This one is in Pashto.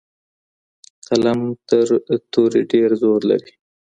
قلم تر تورې ډېر زور لري.